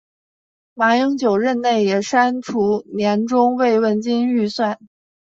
马英九任内也删除年终慰问金预算。